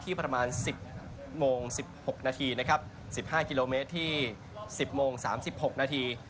ที่ประมาณสิบโมงสิบหกนาทีนะครับสิบห้ากิโลเมตรที่สิบโมงสามสิบหกนาที